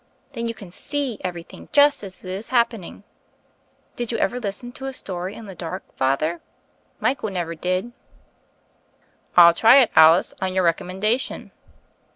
Then you can see everything just as it is hap pening. Did you ever listen to a story in the dark. Father? Michael never did." "I'll try it, Alice, on your recommendation.